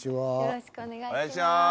よろしくお願いします。